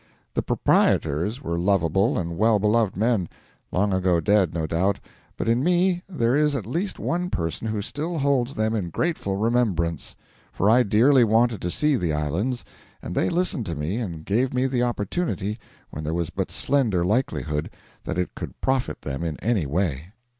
The proprietors were lovable and well beloved men: long ago dead, no doubt, but in me there is at least one person who still holds them in grateful remembrance; for I dearly wanted to see the islands, and they listened to me and gave me the opportunity when there was but slender likelihood that it could profit them in any way.